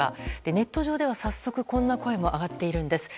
ネット上では早速こんな声も上がっているんです。